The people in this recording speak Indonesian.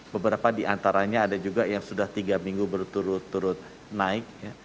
beberapa di antaranya ada juga yang sudah tiga minggu berturut turut naik